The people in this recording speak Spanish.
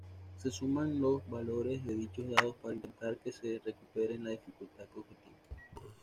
Se suman los valores de dichos dados para intentar que superen la dificultad objetivo.